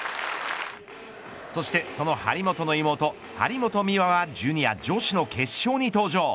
そしてその張本の妹張本美和はジュニア女子の決勝に登場。